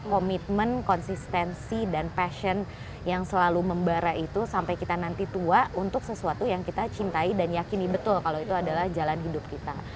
komitmen konsistensi dan passion yang selalu membara itu sampai kita nanti tua untuk sesuatu yang kita cintai dan yakini betul kalau itu adalah jalan hidup kita